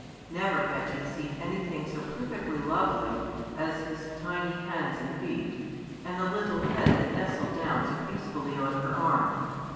Never had she seen anything so perfectly lovely as his tiny hands and feet, and the little head that nestled down so peacefully on her arm.